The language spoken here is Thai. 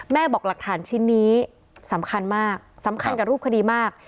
บอกหลักฐานชิ้นนี้สำคัญมากสำคัญกับรูปคดีมาก